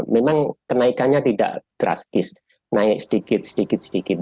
memang kenaikannya tidak drastis naik sedikit sedikit sedikit